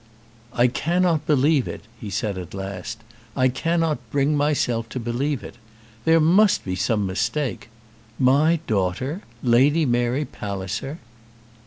"I cannot believe it," he said at last. "I cannot bring myself to believe it. There must be some mistake. My daughter! Lady Mary Palliser!"